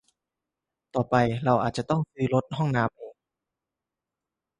ต่อไปเราอาจจะต้องซื้อรถห้องน้ำเอง